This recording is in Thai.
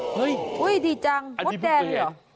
เฮ้ยดีจังมดแดงเลยเหรอ